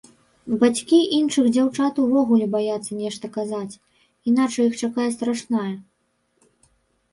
Бацькі іншых дзяўчат увогуле баяцца нешта казаць, іначай іх чакае страшнае.